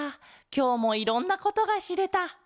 きょうもいろんなことがしれた。